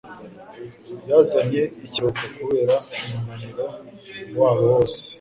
yazanye ikiruhuko kubera umunaniro wabo wose